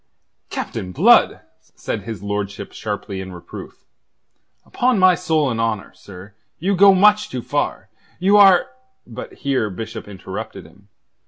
"Captain Blood!" said his lordship sharply in reproof. "Upon my soul and honour, sir, you go much too far. You are...." But here Bishop interrupted him.